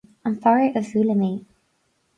An fear a bhuaileann mé.